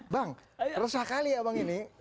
bang resah kali ya bang ini